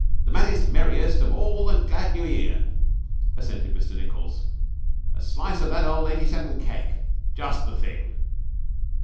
'"The maddest, merriest of all the glad New Year,"' assented Mr Nichols. 'A slice of that old 'eighty seven cake. Just the thing!'